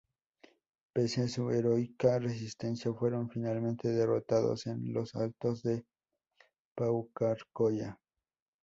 Pese a su heroica resistencia, fueron finalmente derrotados en los Altos de Paucarcolla.